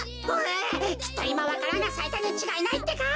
きっといまわか蘭がさいたにちがいないってか。